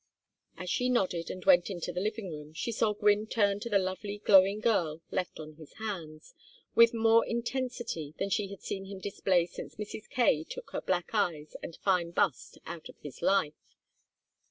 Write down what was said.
As she nodded and went into the living room she saw Gwynne turn to the lovely glowing girl left on his hands, with more intensity than she had seen him display since Mrs. Kaye took her black eyes and fine bust out of his life.